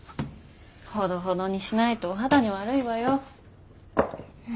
ほどほどにしないとお肌に悪いわよ。